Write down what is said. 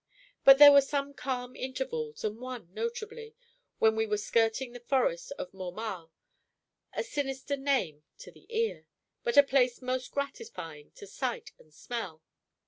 But there were some calm intervals, and one notably, when we were skirting the forest of Mormal, a sinister name to the ear, but a place most gratifying to sight and smell.